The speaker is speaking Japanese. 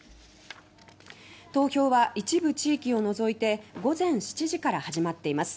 投票は一部地域を除いて午前７時から始まっています。